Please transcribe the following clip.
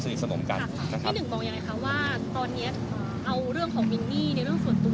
สนมกันพี่หนึ่งมองยังไงคะว่าตอนนี้เอาเรื่องของมินนี่ในเรื่องส่วนตัว